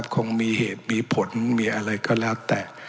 คงมีเหตุมีผลมีอะไรก็แล้วแต่